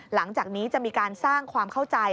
หลังจากนี้จะมีการสร้างความเข้าใจ